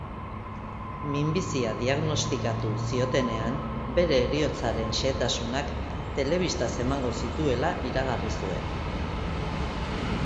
Minbizia diagnostikatu ziotenean, bere heriotzaren xehetasunak telebistaz emango zituela iragarri zuen.